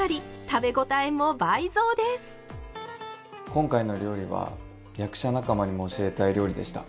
今回の料理は役者仲間にも教えたい料理でした。